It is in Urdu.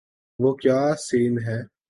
وہ کیا سین ہے۔